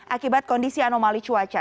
akibat kondisi anomali cuaca